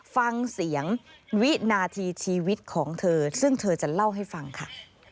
ฟังเสียงวินาทีชีวิตของเธอซึ่งเธอจะเล่าให้ฟังค่ะ